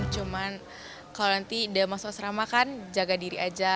cuman kalau nanti dia masuk asrama kan jaga diri aja